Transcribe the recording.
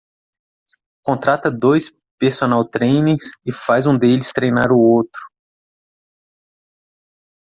Contrata dois personal trainers e faz um deles treinar o outro.